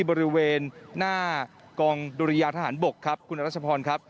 บริเวณหน้ากองดุริยาทหารบกครับคุณรัชพรครับ